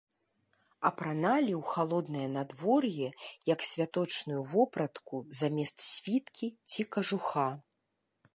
Апраналі ў халоднае надвор'е як святочную вопратку замест світкі ці кажуха.